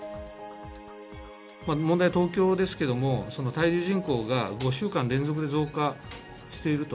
問題は東京ですけれども、滞留人口が５週間連続で増加していると。